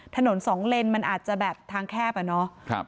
สองเลนมันอาจจะแบบทางแคบอะเนาะ